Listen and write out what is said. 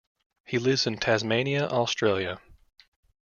He lives in Tasmania, Australia.